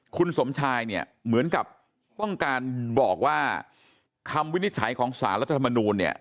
คุณสมชายเนี่ยเหมือนกับต้องการบอกว่าคำวินิจฉัยของสารรัฐธรรมนูลเนี่ย